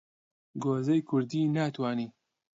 گۆزەی کوردی ناتوانی